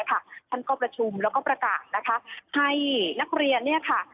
ท่านก้อประชุมแล้วก็ประกาศให้นักเรียน